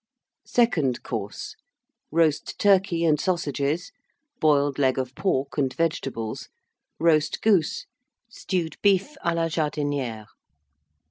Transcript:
SECOND COURSE. Roast Turkey and Sausages. Boiled Leg of Pork and Vegetables. Roast Goose. Stewed Beef à la Jardinière.